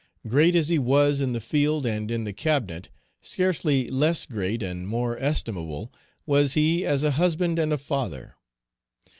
Great as he was in the field and in the cabinet, scarcely less great and more estimable was he as a husband and a father.